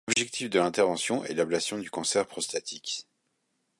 L'objectif de l'intervention est l'ablation du cancer prostatique.